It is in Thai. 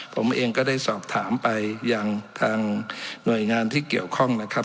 ผมเองก็ได้สอบถามไปยังทางหน่วยงานที่เกี่ยวข้องนะครับ